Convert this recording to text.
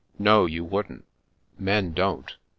" No, you wouldn't ; men don't.